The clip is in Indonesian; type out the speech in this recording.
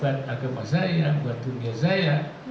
buat agama saya buat dunia saya